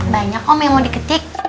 banyak om yang mau diketik